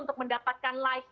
untuk mendapatkan like